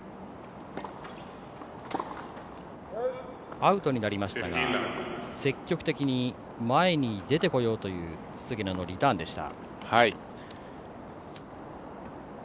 アウトになりましたが積極的に前に出てこようという菅野のリターンでした。